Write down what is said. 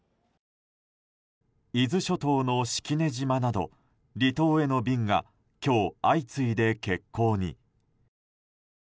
伊豆諸島の式根島など離島への便が今日、相次いで欠航に。